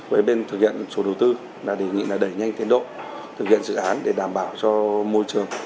với bên thực hiện chủ đầu tư là đề nghị là đẩy nhanh tiến độ thực hiện dự án để đảm bảo cho môi trường